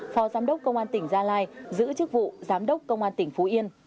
phó giám đốc công an tỉnh gia lai giữ chức vụ giám đốc công an tỉnh phú yên